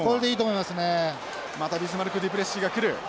またビスマルクデュプレシーがくる！